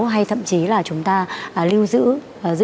hay thậm chí là chúng ta lưu giữ dữ liệu